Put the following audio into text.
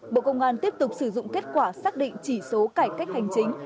bộ công an tiếp tục sử dụng kết quả xác định chỉ số cải cách hành chính